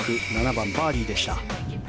７番、バーディーでした。